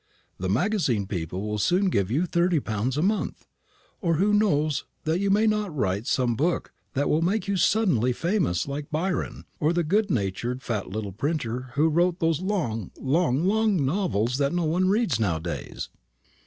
The magazine people will soon give you thirty pounds a month. Or who knows that you may not write some book that will make you suddenly famous, like Byron, or the good natured fat little printer who wrote those long, long, long novels that no one reads nowadays?"